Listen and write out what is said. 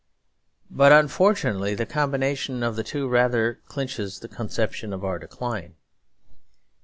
But unfortunately the combination of the two rather clinches the conception of our decline.